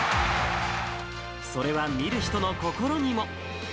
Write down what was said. それは見る人の心にも。